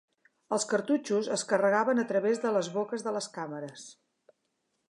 Els cartutxos es carregaven a través de les boques de les càmeres.